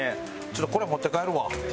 ちょっとこれ持って帰るわ。